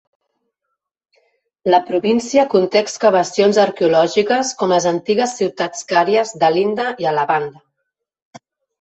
La província conté excavacions arqueològiques, com les antigues ciutats càries d'Alinda i Alabanda.